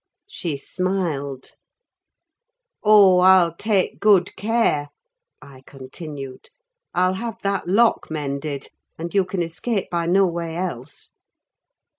She smiled. "Oh, I'll take good care," I continued: "I'll have that lock mended, and you can escape by no way else."